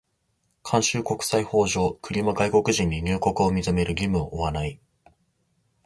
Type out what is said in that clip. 慣習国際法上、国は外国人に入国を認める義務を負わない。